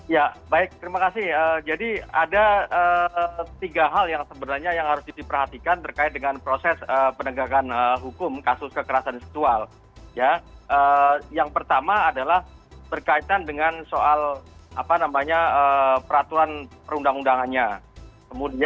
ya baik terima kasih jadi ada tiga hal yang sebenarnya yang harus diperhatikan terkait dengan proses penegakan hukum kasus kekerasan seksual